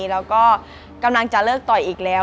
แล้วก็กำลังจะเลิกต่อยอีกแล้ว